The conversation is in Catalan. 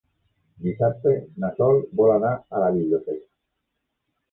Dissabte na Sol vol anar a la biblioteca.